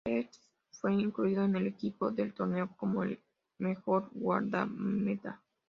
Čech fue incluido en el equipo del torneo como el mejor guardameta.